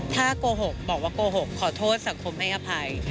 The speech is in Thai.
ถ้าโกหกบอกว่าโกหกขอโทษสังคมให้อภัย